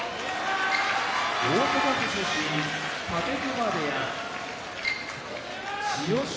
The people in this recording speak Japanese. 大阪府出身武隈部屋千代翔